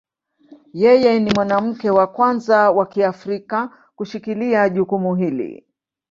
Yeye ni mwanamke wa kwanza wa Kiafrika kushikilia jukumu hili.